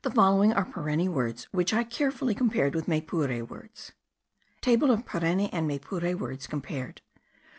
The following are Pareni words, which I carefully compared with Maypure words.* TABLE OF PARENI AND MAYPURE WORDS COMPARED.